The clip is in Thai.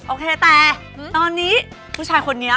โอเคแต่ตอนนี้ผู้ชายคนนี้